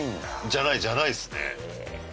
じゃないじゃないですね。